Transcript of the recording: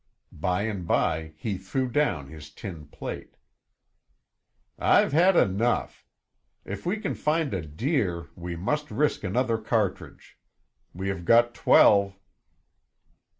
By and by he threw down his tin plate. "I've had enough. If we can find a deer, we must risk another cartridge. We have got twelve."